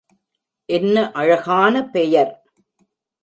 என்ன அழகான பெயர்!